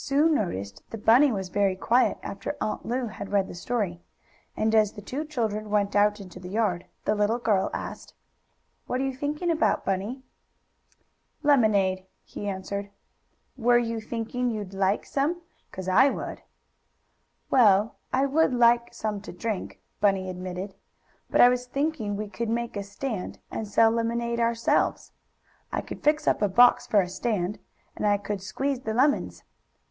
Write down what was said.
Sue noticed that Bunny was very quiet after Aunt Lu had read the story, and, as the two children went out into the yard, the little girl asked: "What are you thinking about, Bunny?" "Lemonade," he answered. "Were you thinking you'd like some? 'Cause I would." "Well, I would like some to drink," Bunny admitted, "but I was thinking we could make a stand, and sell lemonade ourselves. I could fix up a box for a stand, and I could squeeze the lemons."